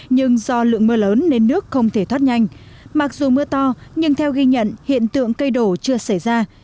nhưng do lượng mưa lớn nên nước không thể thoát nhanh mặc dù mưa to nhưng theo ghi nhận hiện tượng cây đổ chưa xảy ra